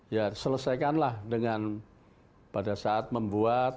ya selesaikanlah dengan pada saat membuat